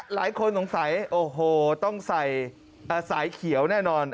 หลายคนสงสัยโอ้โหต้องใส่สายเขียวแน่นอน